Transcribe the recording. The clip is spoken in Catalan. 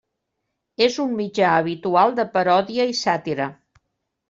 És un mitjà habitual de paròdia i sàtira.